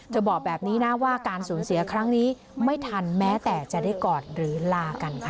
บอกแบบนี้นะว่าการสูญเสียครั้งนี้ไม่ทันแม้แต่จะได้กอดหรือลากันค่ะ